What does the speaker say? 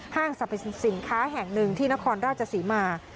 ห้างสรรพสินค้าแห่งหนึ่งที่นครราชศรีมา